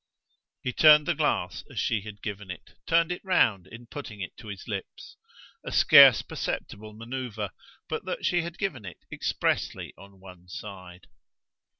He turned the glass as she had given it, turned it round in putting it to his lips: a scarce perceptible manoeuvre, but that she had given it expressly on one side.